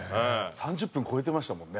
３０分超えてましたもんね。